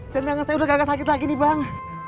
dan yang saya udah gak sakit lagi nih bang